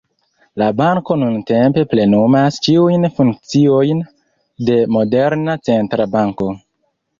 La banko nuntempe plenumas ĉiujn funkciojn de moderna centra banko.